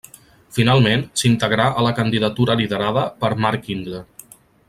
Finalment s'integrà a la candidatura liderada per Marc Ingla.